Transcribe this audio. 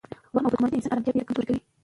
وهم او بدګماني د انسان اراده ډېره کمزورې کوي.